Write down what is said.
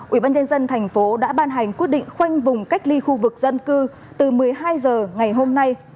ủy ban nhân dân thành phố đã ban hành quyết định khoanh vùng cách ly khu vực dân cư từ một mươi hai h ngày hôm nay